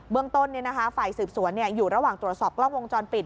เมืองต้นฝ่ายสืบสวนอยู่ระหว่างตรวจสอบกล้องวงจรปิด